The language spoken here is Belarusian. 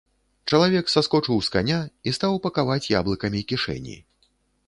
Чалавек саскочыў з каня і стаў пакаваць яблыкамі кішэні.